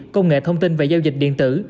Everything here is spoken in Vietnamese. công nghệ thông tin và giao dịch điện tử